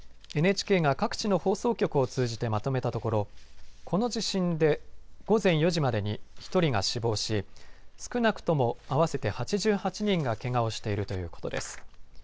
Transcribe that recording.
ＮＨＫが各地の放送局を通じてまとめたところこの地震で午前４時までに１人が死亡し少なくとも合わせて８８人がけがをしているということです。